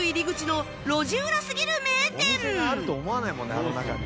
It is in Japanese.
お店があると思わないもんねあの中に。